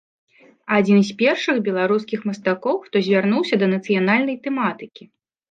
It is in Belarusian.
Адзін з першых беларускіх мастакоў, хто звярнуўся да нацыянальнай тэматыкі.